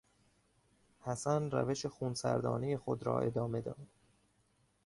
حسن روش خونسردانهی خود را ادامه داد.